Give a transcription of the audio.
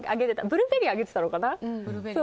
ブルーベリーあげてたのかな。